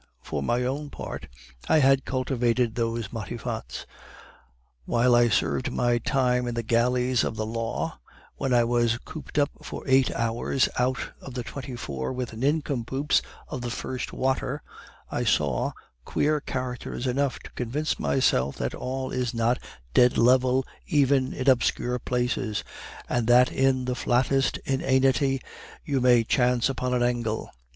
For my own part, I had cultivated those Matifats. While I served my time in the galleys of the law, when I was cooped up for eight hours out of the twenty four with nincompoops of the first water, I saw queer characters enough to convince myself that all is not dead level even in obscure places, and that in the flattest inanity you may chance upon an angle.